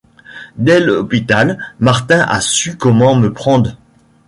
Dès l’hôpital, Martin a su comment me prendre.